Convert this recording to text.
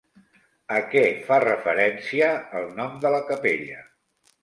A què fa referència el nom de la capella?